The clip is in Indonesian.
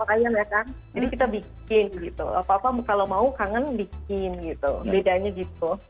ayam ya kan jadi kita bikin gitu apa apa kalau mau kangen bikin gitu bedanya gitu